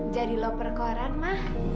jadi loper koran ma